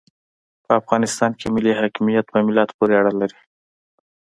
په افغانستان کې ملي حاکمیت په ملت پوري اړه لري.